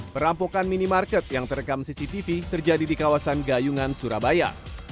perampokan minimarket yang terekam cctv terjadi di kawasan gayungan surabaya